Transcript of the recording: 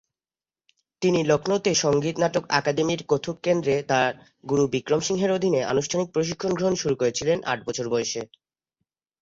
তিনি লখনউতে সংগীত নাটক আকাদেমির কত্থক কেন্দ্রে তাঁর গুরু বিক্রম সিংহের অধীনে আনুষ্ঠানিক প্রশিক্ষণ গ্রহণ শুরু করেছিলেন আট বছর বয়সে।